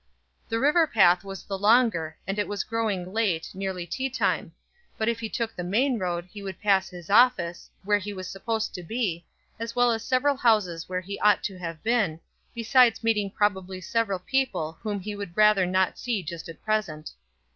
The river path was the longer, and it was growing late, nearly tea time; but if he took the main road he would pass his office, where he was supposed to be, as well as several houses where he ought to have been, besides meeting probably several people whom he would rather not see just at present.